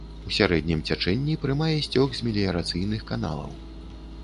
У сярэднім цячэнні прымае сцёк з меліярацыйных каналаў.